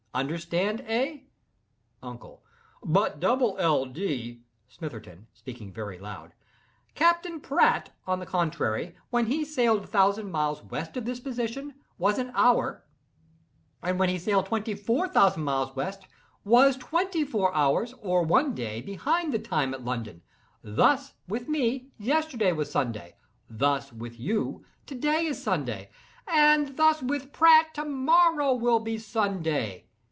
Understand, eh?" UNCLE. "But Double L. Dee—" SMITHERTON. (Speaking very loud.) "Captain Pratt, on the contrary, when he had sailed a thousand miles west of this position, was an hour, and when he had sailed twenty four thousand miles west, was twenty four hours, or one day, behind the time at London. Thus, with me, yesterday was Sunday—thus, with you, to day is Sunday—and thus, with Pratt, to morrow will be Sunday.